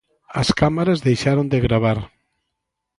As cámaras deixaron de gravar.